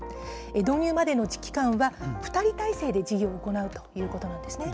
導入までの期間は２人体制で授業を行うということなんですね。